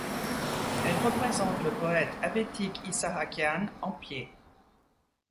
Elle représente le poète Avetik Issahakian en pied.